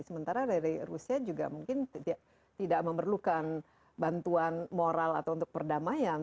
sementara dari rusia juga mungkin tidak memerlukan bantuan moral atau untuk perdamaian